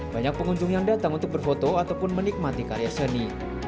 banyak pengunjung yang datang untuk berfoto ataupun menikmati karya seni